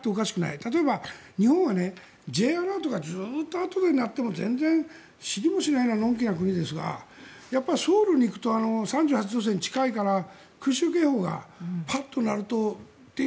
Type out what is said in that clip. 例えば、日本はＪアラートがずっとあとで鳴っても全然、知りもしないのんきな国ですがソウルに行くと３８度線に近いから空襲警報がぱっと鳴るとという。